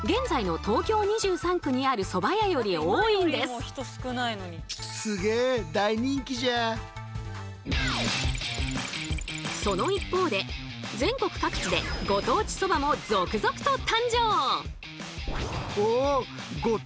こうして江戸時代その一方で全国各地でご当地そばも続々と誕生！